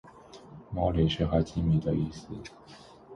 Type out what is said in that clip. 猫雷是哈基米的意思